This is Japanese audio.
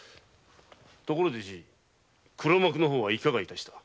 ところでじぃ黒幕の方はいかが致した？